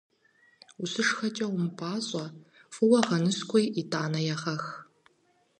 УщышхэкӀэ умыпӀащӀэ, фӀыуэ гъэныщкӀуи, итӀанэ егъэнэх.